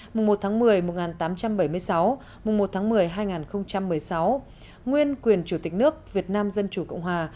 mùng một tháng một mươi một nghìn tám trăm bảy mươi sáu mùng một tháng một mươi hai nghìn một mươi sáu nguyên quyền chủ tịch nước việt nam dân chủ cộng hòa